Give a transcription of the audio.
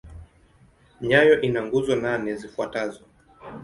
Nayo ina nguzo nane zifuatazo.